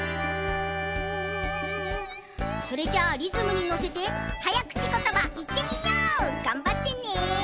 それじゃあリズムにのせてはやくちことばいってみよう！